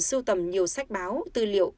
sưu tầm nhiều sách báo tư liệu